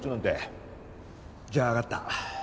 じゃあわかった。